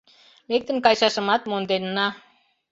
Лектын кайышашымат монденна.